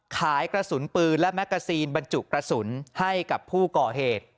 กระสุนปืนและแกซีนบรรจุกระสุนให้กับผู้ก่อเหตุ